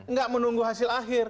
nggak menunggu hasil akhir